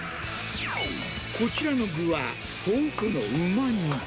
こちらの具は、豆腐のうま煮。